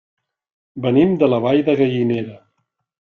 Venim de la Vall de Gallinera.